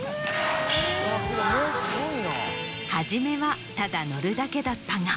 初めはただ乗るだけだったが。